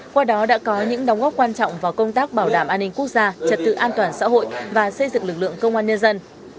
qua đó đã có những đóng góp quan trọng vào công tác bảo đảm an ninh quốc gia trật tự an toàn xã hội và xây dựng lực lượng công an nhân dân